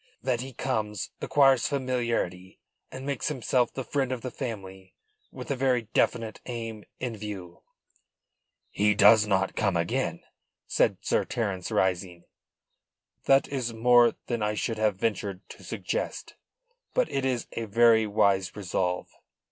That he comes, acquires familiarity and makes himself the friend of the family with a very definite aim in view." "He does not come again," said Sir Terence, rising. "That is more than I should have ventured to suggest. But it is a very wise resolve.